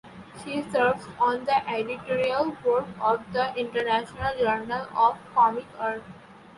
She serves on the editorial board of the International Journal of Comic Art.